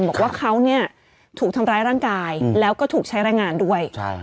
บอกว่าเขาเนี่ยถูกทำร้ายร่างกายแล้วก็ถูกใช้แรงงานด้วย